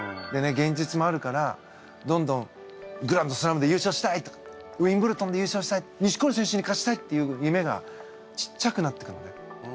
現実もあるからどんどんグランドスラムで優勝したいとかウィンブルドンで優勝したい錦織選手に勝ちたいっていう夢がちっちゃくなってくるのね。